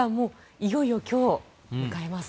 いよいよ今日、迎えます。